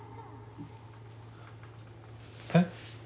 えっ？